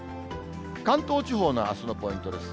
関東地方のあすのポイントです。